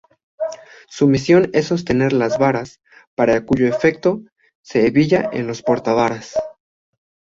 Su misión es sostener las varas, para cuyo efecto se hebilla en los porta-varas.